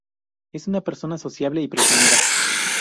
Es una persona sociable y presumida.